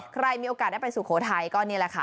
ใครมีโอกาสได้ไปสุโขทัยก็นี่แหละค่ะ